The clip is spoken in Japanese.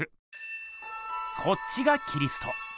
こっちがキリスト。